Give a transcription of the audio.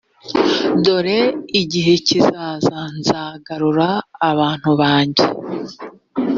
dore igihe kizaza nzagarura abantu banjye